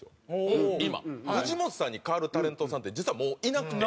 藤本さんに代わるタレントさんって実はもういなくて。